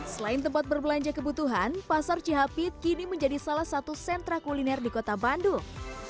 selain tempat berbelanja kebutuhan pasar cihapit kini menjadi salah satu sentra kuliner di kota bandung